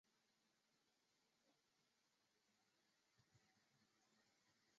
三次站则属管辖。